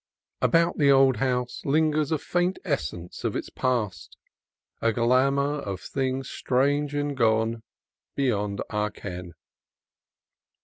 About the old house lingers a faint essence of its past, a glamour of things strange and gone beyond our ken.